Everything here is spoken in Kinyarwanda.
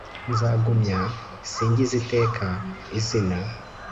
nzagumya nsingize iteka izina